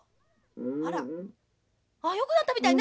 あらあよくなったみたいね！